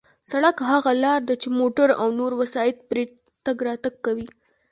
سړک هغه لار ده چې موټر او نور وسایط پرې تگ راتگ کوي.